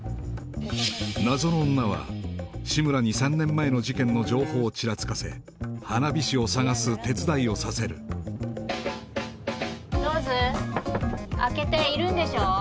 謎の女は志村に３年前の事件の情報をちらつかせ花火師を捜す手伝いをさせるローズ？開けているんでしょ？